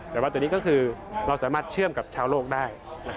แต่ว่าตัวนี้ก็คือเราสามารถเชื่อมกับชาวโลกได้